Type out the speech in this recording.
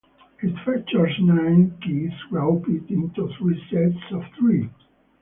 It features nine keys, grouped into three sets of three.